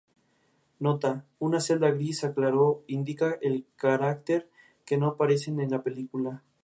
Allí, la pareja regenta una bodega que pertenece a la familia de la princesa.